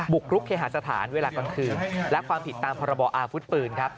กรุกเคหาสถานเวลากลางคืนและความผิดตามพรบอาวุธปืนครับ